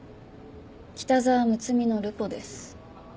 北澤睦美のルポです。